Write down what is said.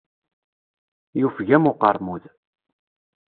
Yufeg-am uqermud.